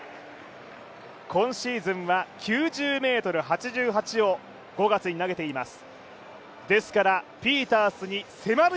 今シーズンは９０ｍ８７を５月に投げています。